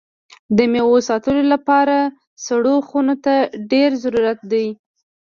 د میوو ساتلو لپاره سړو خونو ته ډېر ضرورت ده.